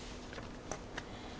sẽ phải giựt mình